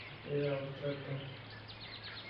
Era abstracto".